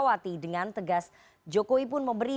ada panel baru